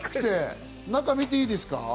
中、見ていいですか？